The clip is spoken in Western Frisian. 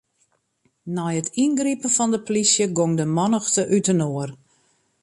Nei it yngripen fan 'e plysje gong de mannichte útinoar.